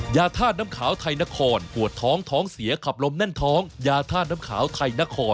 ยาธาตุน้ำขาวไทยนครปวดท้องท้องเสียขับลมแน่นท้องยาธาตุน้ำขาวไทยนคร